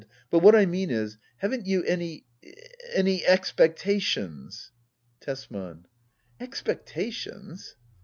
But what I mean is — haven't you any — any — expectations ? Tesman. Expectations